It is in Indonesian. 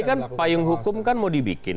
ini kan payung hukum kan mau dibikin